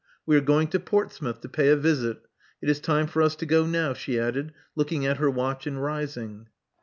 We are going to Portsmouth to pay a visit. It is time for us to go now, she added, looking at her watch and rising.